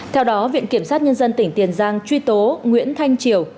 theo đó viện kiểm sát nhân dân tỉnh tiền giang truy tố nguyễn thanh triều